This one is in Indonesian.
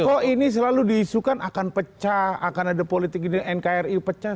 ketika itu isu kan akan pecah akan ada politik ini nkri pecah